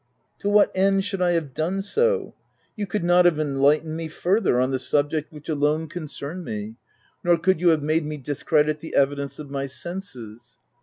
" To what end should I have done so ?— You could not have enlightened me farther, on the subject which alone concerned me ; nor could you have made me discredit the evidence of my senses.